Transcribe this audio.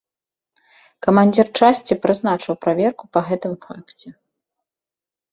Камандзір часці прызначыў праверку па гэтым факце.